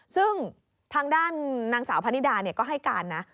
ซึ่งทางด้านนางสาวพะนิดาก็ให้การนะ